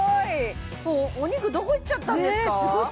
もうお肉どこいっちゃったんですか？